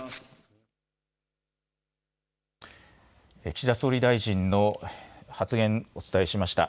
岸田総理大臣の発言、お伝えしました。